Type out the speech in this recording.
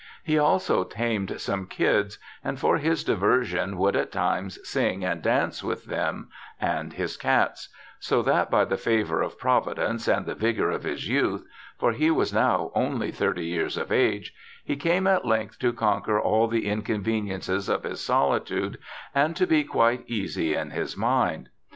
He also tamed some kids, and for his diversion would at times sing and dance with them and his cats ; so that by the favour of Providence and the vigour of his youth — for he was now only thirty years of age — he came at length to conquer all the inconveni ences of his solitude and to be quite easy in his mind.